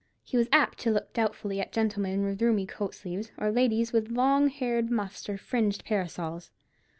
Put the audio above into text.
He was apt to look doubtfully at gentlemen with roomy coat sleeves, or ladies with long haired muffs or fringed parasols.